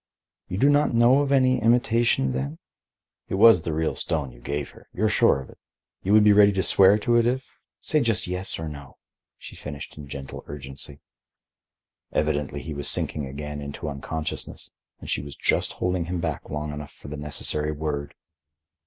"You do not know of any imitation, then? It was the real stone you gave her. You are sure of it; you would be ready to swear to it if—say just yes or no," she finished in gentle urgency. Evidently he was sinking again into unconsciousness, and she was just holding him back long enough for the necessary word.